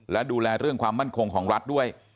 และดูแลเรื่องความมั่นคงของรัฐด้วย